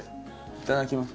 いただきます。